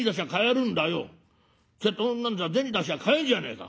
瀬戸物なんざ銭出しゃ買えるじゃねえか。